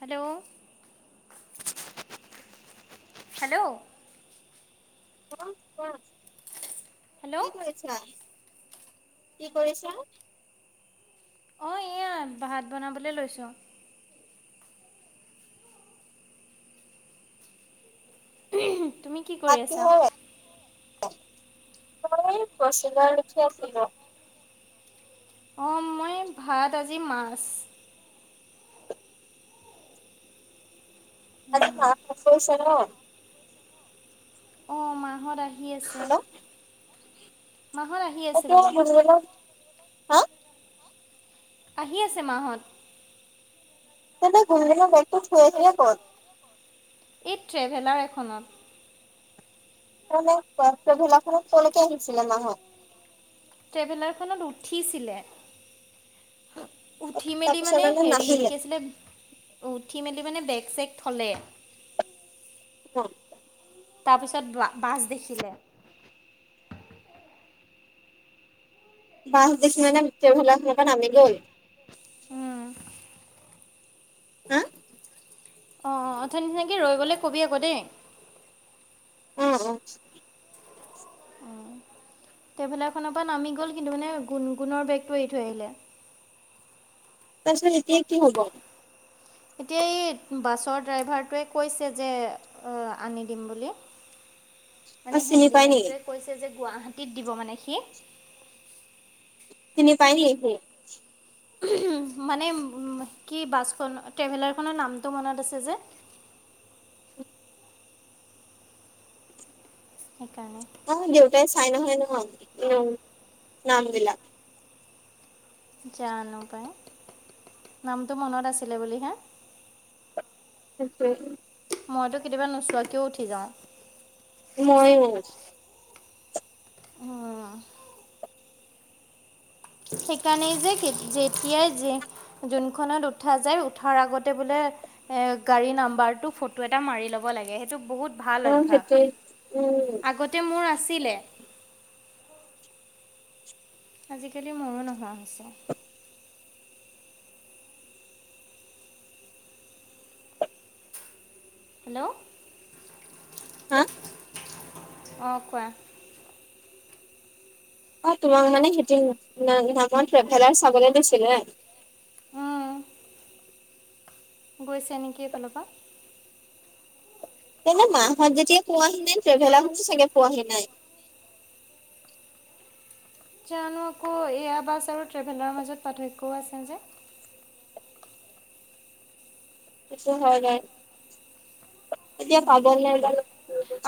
Hello. Hello. [unintelligible] কি কৰিছা? কি কৰিছা? অ', এয়া ভাত বনাবলৈ লৈছোঁ। [inaudible] তুমি কি কৰি আছা? তই [unintelligible] পচিলাৰ লিখি আছিলো। অ', মই ভাত আজি মাছ [unintelligible] চে ন' অ', মাহ'ত আহ হি হেল্ল' মাহ'ত আহি আছে এতিয়া বোলো। গুণগুণৰ হা আহি আছে মাহ'ত। [unintelligible] তে তাই ঘুমদিল ব'টো থুই আহিলে ক'ত? এই ট্ৰেভেলাৰ এখনত। ভেলাৰখনত ক'ৰলৈকে আহিছিলে মাহ'ত? ট্ৰেভেলাৰখনত উঠিছিলে। উঠি মেলি তাৰপিছত মানে হেৰি নাহিলে কি আছিলে, উঠি মেলি মানে বেগ চেক থ'লে অ'। তাৰ পিছত বা বাছ দেখিলে। বাছ দেখি মানে গোটেইবিলাকে নামি গ'ল। উম। হা? অ', অথনি তেনেকে ৰৈ গ'লে কবি আকৌ দেই। উম, উম। ট্ৰেভেলাৰখনৰ পৰা নামি গ'ল কিন্তু মানে গুণ গুণৰ বেগটো এৰি থৈ আহিলে। তাৰপিছত এতিয়া কি হ'ব? এতিয়া এই বাছৰ ড্ৰাইভাৰটোৱে কৈছে যে আনি দিম বুলি। অ মানে চিনি পাই নেকি হেডন্ডিমেনটোৱে কৈছে যে গুৱাহাটীত দিব মানে সি। চিনি পাই নি সি? মানে কি বাছখন ট্ৰেভেলাৰখনৰ নামটো মনত আছে যে। সেইকাৰণে অ', দেউতাই চাই নহয় নয় অ', উম, নাম বিলাক। জানো পাই, নামটো মনত আছিলে বুলি হে। সেইটোৱে। মইটো কেতিয়াবা নোচোৱাকেও উঠি যাওঁ। ময়ো। হম। সেইকাৰণেই যে যেতিয়াই যোনখনত উঠা যায় উঠাৰ আগতে বোলে এ গাড়ী নাম্বাৰটো ফটো এটা মাৰি ল'ব লাগে সেইটো বহুত ভাল অ অভ্যাস, সেইটোৱে উম আগতে মোৰ আছিলে। আজিকালি মোৰো নোহোৱা হৈছে। হেল্ল'। হা? অ', কোৱা। অ', তোমাক মানে সেতি না নামত ট্ৰেভেলাৰ চাবলৈ দিছিলে। উম, গৈছে নেকি এফালৰ পৰা? তেনে মাহঁত যেতিয়া পোৱাহি নাই ট্ৰেভেলাৰ খনো চাগে পোৱাহি নাই। জানো আকৌ এয়া বাছ আৰু ট্ৰেভেলাৰৰ মাজত পাৰ্থক্যও আছে যে। সিটো হৈ যায়।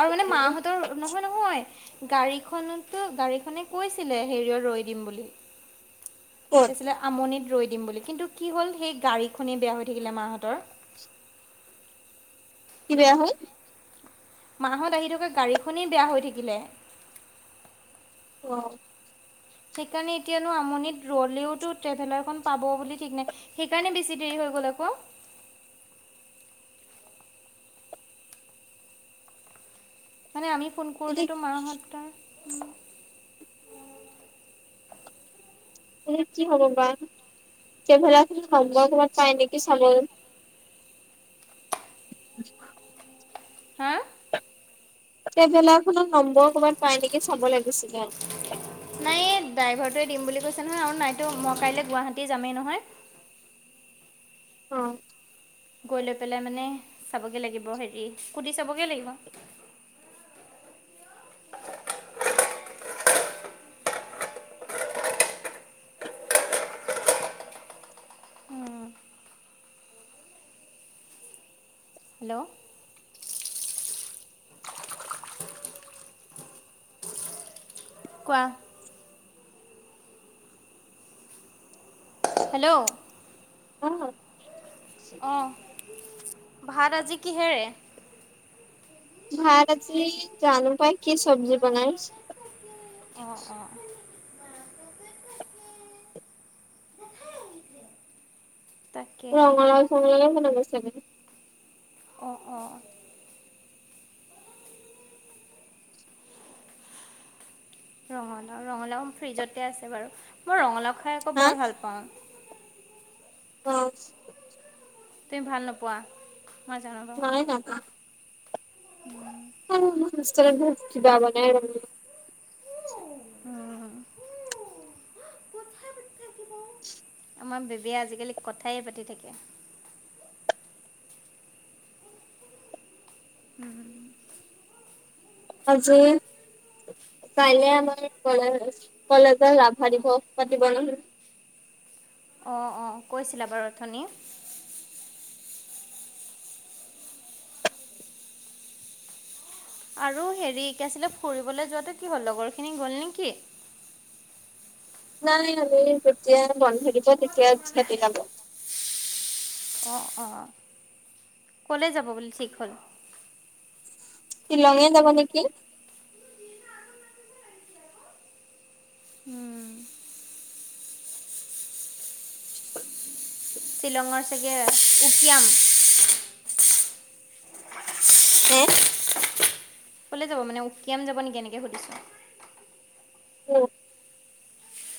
আৰু মানে মাহঁতৰ নহয়, নহয় গাড়ীখনত টো গাড়ীখনে কৈছিলে হেৰিয়ত ৰৈ দিম বুলি। কি ক'ত আছিলে আমনিত ৰৈ দিম বুলি কিন্তু কি হ'ল সেই গাড়ীখনেই বেয়া হৈ থাকিলে মাহঁতৰ। কি বেয়া হ'ল? মাহঁত আহি থকা গাড়ীখনেই বেয়া হৈ থাকিলে। অ'। সেইকাৰণে এতিয়ানো আমনিত ৰ'লেও টো ট্ৰেভেলাৰ খন পাব বুলি ঠিক নাই সেইকাৰণে বেছি দেৰি হৈ গ'ল আকৌ। মানে আমি ফোন এতিয়া কৰোতেটো মাহঁতৰ [inaudible] তুমি কি হ'ব বা ট্ৰেভেলাৰ খন ক'বাত পায় নেকি চাব [inaudible] হা? ট্ৰেভেলাৰ খনৰ নম্বৰ ক'বাত পাই নেকি চাব লাগিছিলে। নাই ড্ৰাইভাৰটোৱে দিম বুলি কৈছে নহয় আৰু নাইতো মই কাইলৈ গুৱাহাটী যামেই নহয়। অ'। গৈ লৈ পেলাই মানে চাবগৈ লাগিব হেৰি, সুধি চাবগে লাগিব। হেল্ল'। কোৱা। হেল্ল'। অন নো অ', ভাত আজি কিহেৰে? ভাত আজি জানো পায় কি চব্জি বনাই। অ', অ'। তাকেহে ৰঙলাও চঙালাও মনত পৰিছেগে। অ', অ'। ৰঙালাও, ৰঙালাও, ফ্ৰিজতে আছে বাৰু, মই ৰঙালাও খাই আকৌ হা বৰ ভাল পাওঁ। অ'। তুমি ভাল নোপোৱা? মই জানো বাৰু [unintelligible] মোৰ ইনষ্ট্ৰগ্ৰ্যম টো কিবা মানে আমাৰ বেবীয়ে আজিকালি কথাই পাতি থাকে। উম। আজি, কাইলে আমাৰ কলে-কলেজত ৰাভা দিৱস পাতিব নহয়। অ', অ', কৈছিলা বাৰু অথনি আৰু হেৰি কি আছিলে ফুৰিবলৈ যোৱাটো কি হ'ল লগৰখিনি গ'ল নেকি? নাই আমি যেতিয়া বন্ধ থাকিব তেতিয়া সিহঁতি যাব। ক'লৈ যাব বুলি ঠিক হ'ল? শ্বিলঙে যাব নেকি। [unintelligible] [inaudible] শ্বিলঙৰ চাগে উকিয়াম। হে? ক'লে যাব মানে উকিয়াম যাব নেকি এনেকে সুধিছো?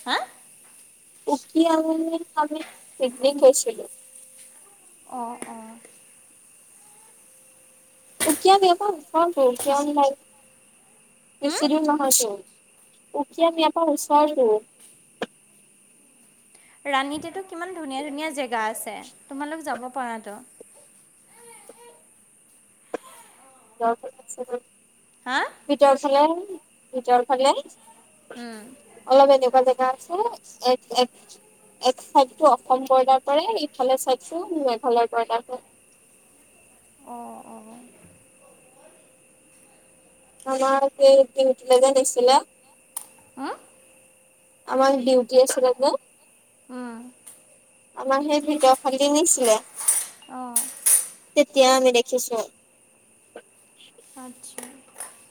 হা? উকিয়াম আমি পিকনিক গৈছিলো। অ', অ'। উকীয়াম ইয়াৰ ওচৰটো কিয়ন লাই হুম বেছি দূৰ নহয়তো, উকীয়াম ইয়াৰ ওচৰটো। ৰাণীতেটো কিমান ধুনীয়া ধুনীয়া জেগা আছে। তোমালোক যাব পাৰাটো। যাব লাগিছিলে। হা? ছিলে ভিতৰ ফালে। উম অলপ এনেকুৱা জেগাত আছে এক, এক, এক চাইডটো অসম বৰ্ডাৰ পৰে ইফালে চাইডটো মেঘালয় বৰ্ডাৰ পৰে। অঁ অঁ আমাক সেই ডিউটিলৈ গৈছিলে, হুম আমাক ডিউটি আছিলে যে উম আমাক সেই ভিতৰৰ ফালে নিছিলে অঁ তেতিয়া আমি দেখিছো। [unintelligible]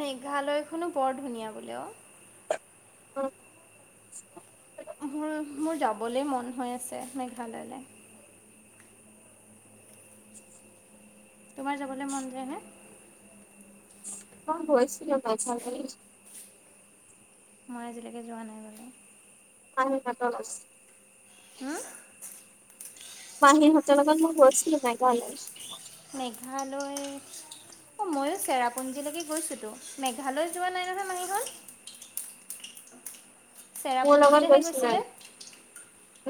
মেঘালয়খনো বৰ ধুনীয়া বোলে অ'। [unintelligible] মোৰ মোৰ যাবলৈ মন হৈ আছে মেঘালয়লে। তোমাৰ যাবলৈ মন যায়নে? অ', গৈছিলো [unintelligible] মই আজিলৈকে যোৱা নাই ৰ'বা। [unintelligible] হম। মাহীহঁতৰ লগত মই গৈছিলো মেঘালয়। মেঘালয় অ', ময়ো চেৰাপুঞ্জীলৈকে গৈছিলো মেঘালয় যোৱা নাই নহয় মাহীখন। মোৰ লগত চেৰাপুঞ্জীলেহে গৈছিলে।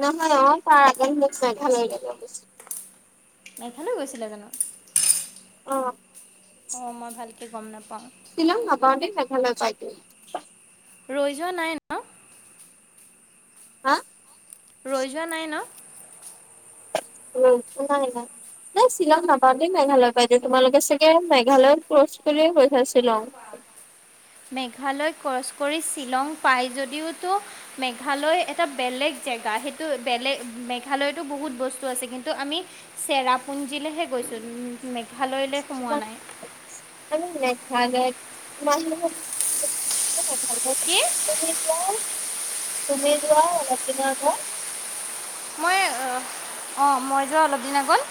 নহয় অ', তাৰ আগত মোক মেঘালয়লৈ লৈ গৈছে। মেঘালয় গৈছিলা জানো। অ'। অ', মই ভালকে গম নাপাও। শ্বিলং নাপাওতে মেঘালয় পায়তো। ৰৈ যোৱা নাই ন'? হা? ৰৈ যোৱা নাই ন'। নাই, নাইও নাই শ্বিলং নাপাওঁতে মেঘালয় পায়তো তোমালোকে চাগে মেঘালয়ত ক্ৰছ কৰিয়ে গৈছা শ্বিলং। মেঘালয় ক্ৰছ কৰি শ্বিলং পায় যদ যদিওটো মেঘালয় এটা বেলেগ জেগা সেইটো বেলেগ মেঘালয়তো বহুত বস্তু আছে কিন্তু আমি চেৰাপুঞ্জীলেহে গৈছোঁ। মেঘালয়লৈ সোমোৱা নাই। [unintelligible] [unintelligible] তুমি কি যোৱা অলপ দিনৰ আগত মই অ', মই যোৱা অলপ দিন আগত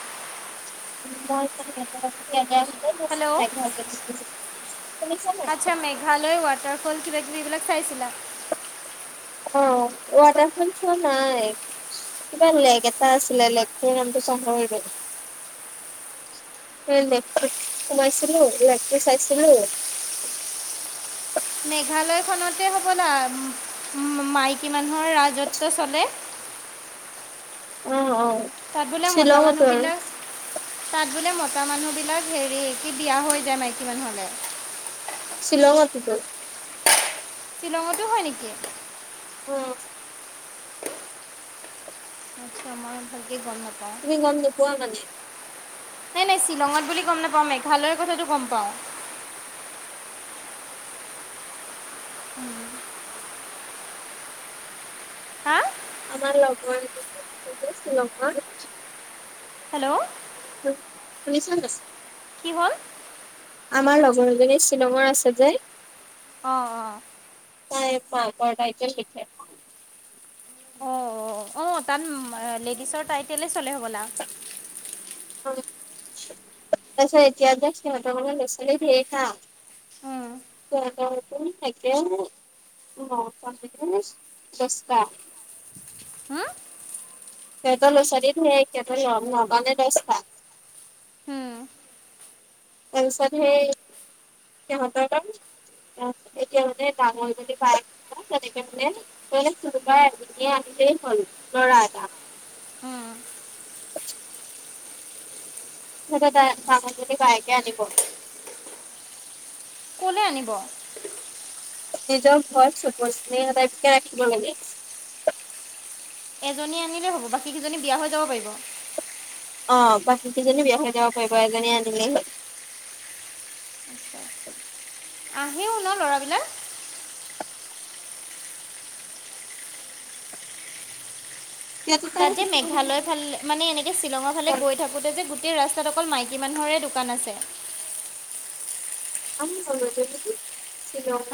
[unintelligible] [inaudible] শুনিছা নাই আতছা মেঘালয়, ৱাটাৰফল কিবা কিবি এইবিলাক চাইছিলা? অ', ৱাটাৰফল চোৱা নাই, কিবা লেক এটা আছিলে লেকটোৰ নামটো পাহৰিলোঁ সেই লেকটোত সোমাইছিলোঁ, লেকটো চাইছিলোঁ মেঘালয় খনতে হ'বলা মা-মাইকী মানুহৰ ৰাজত্ব চলে। অ', অ'। তাত বোলে মতা শ্বিলঙতো আৰু মানুহবিলাক তাত বোলে মতা মানুহ বিলাক হেৰি কি বিয়া হৈ যায় মাইকী মানুহ'লে শ্বিলংতোটো শ্বিলঙতো হয়, নেকি? অ' আতছা মই ভালকে গম নাপা তুমি গম নোপোৱা মানে? নাই, নাই শ্বিলঙত বুলি গম নাপাওঁ, মেঘালয়ৰ কথাটো গম পাওঁ। উম। হা আমাৰ লগৰ এজনী আছে যে, শ্বিলঙত হেল্ল' শুনিছা নে নাই? কি হ'ল? আমাৰ লগৰ এজনী শ্বিলঙৰ আছে যে অ', অ'। তাই মাকৰ টাইটেল লিখে। অ', অ', অ', তাত লেডিছৰ টাইটেলে চলে হ'বলা। তাৰপিছত এতিয়া যে, সিহঁতৰ মানে ল'ৰা ছোৱালীৰ ধেৰ হা, সিঁহতৰতো একে নটা নে দশটা সিহঁতৰ ল'ৰা ছোৱালী ধেই, সিহঁতৰ নটা নে দশটা। তাৰপিছত সেই, সিহঁতৰ ত' অহ, এতিয়া মানে ডাঙৰ জনি বায়েকৰ [unintelligible] হ'ল ল'ৰা এটা তাৰপিছত তাই-ডাঙৰ জনী বায়েকে আনিব ক'লে আনিব? নিজৰ ঘৰ [unintelligible] টাইপকে ৰাখিব মানে। এজনী আনিলেও হ'ব বাকী কেইজনী বিয়া হৈ যাব পাৰিব। অ', বাকীকেইজনী বিয়া হৈ যাব পাৰিব এজনী আনিলেই আহেয়ো ন ল'ৰাবিলাক? সিহঁতে তাই তাত যে, সেইটো মানে মেঘালয় ফালে মানে এনেকে শ্বিলঙৰ ফালে গৈ থাকোতে যে, গোট টেই ৰাস্তাত অকল মাইকী মানুহৰে দোকান আছে।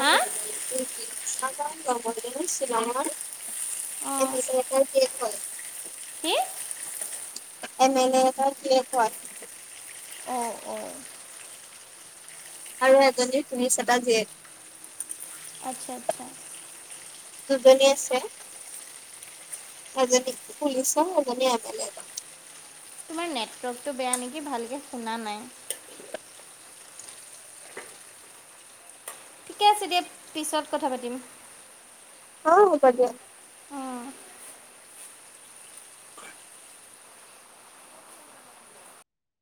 হা অঁ শ্বিলঙৰে কি [unintelligible] অঁ অঁ আৰু এজনী পুলিচ এটা জীয়েক আতচ্ছা, আতচ্ছা। দুজনী আছে, এজনী পুলিচৰ এজনী এম এ লে। তোমাৰ নেটৱৰ্কটো বেয়া নেকি? ভালকে শুনা নাই। ঠিকে আছে দিয়া, পিছত কথা পাতিম। অ', হ'ব দিয়া। অঁ